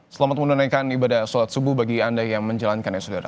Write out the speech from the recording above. selamat menunaikan ibadah sholat subuh bagi anda yang menjalankan esodor